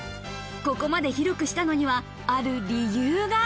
ここまで広くしたのにはある理由が。